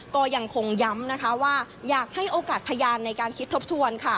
ก็ยังคงย้ำนะคะว่าอยากให้โอกาสพยานในการคิดทบทวน